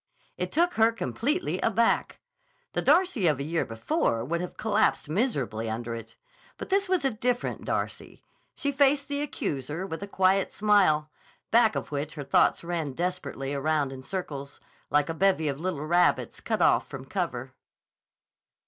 It took her completely aback. The Darcy of a year before would have collapsed miserably under it. But this was a different Darcy. She faced the accuser with a quiet smile, back of which her thoughts ran desperately around in circles, like a bevy of little rabbits cut off from cover.